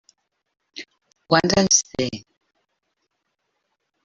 Quants anys té?